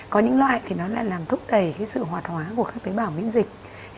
có những loại thì nó lại làm thúc đẩy cái sự hoạt hóa của các tế bào miễn dịch